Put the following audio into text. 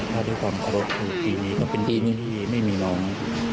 ถ้าด้วยความเคารพคือปีนี้ก็เป็นที่นี่ที่ไม่มีน้อง